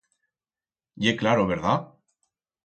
Ye claro, verdat?